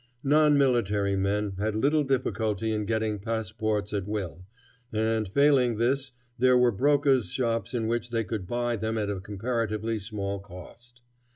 Non military men had little difficulty in getting passports at will, and failing this there were brokers' shops in which they could buy them at a comparatively small cost.